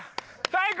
最高！